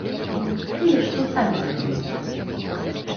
Тыя, што з намі мяжуюць.